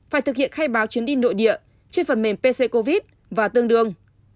phải thực hiện khai báo chuyến đi nội địa trên phần mềm pc covid và tương đương